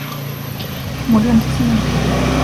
Murió al día siguiente.